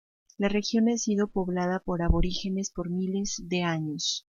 La región ha sido poblada por aborígenes por miles de años.